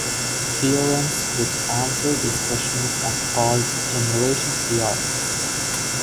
Theorems which answer this question are called generation theorems.